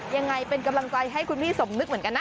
ยังไงเป็นกำลังใจให้คุณพี่สมนึกเหมือนกันนะ